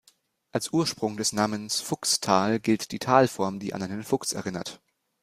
Als Ursprung des Namens "Fuchstal" gilt die Talform, die an einen Fuchs erinnert.